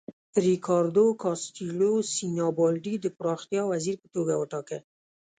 ریکاردو کاسټیلو سینیبالډي د پراختیا وزیر په توګه وټاکه.